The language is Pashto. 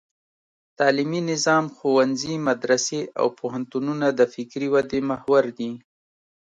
تعلیمي نظام: ښوونځي، مدرسې او پوهنتونونه د فکري ودې محور دي.